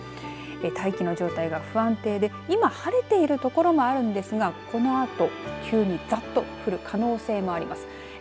大気の状態が不安定で今、晴れている所もあるんですがこのあと急にざっと降る可能性があります。